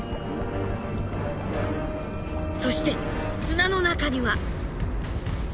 そして砂の中には。